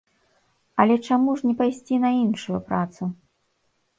Але ж чаму не пайсці на іншую працу?